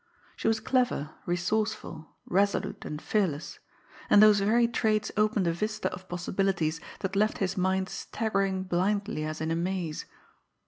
She was clever, resourceful, resolute and fearless and those very traits opened a vista of possibilities that left his mind staggering blindly as in a maze.